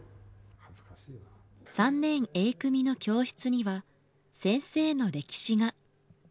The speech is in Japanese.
３年Ａ組の教室には先生の歴史が。